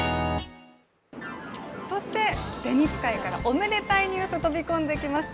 そしてテニス界からおめでたいニュースが飛び込んできました。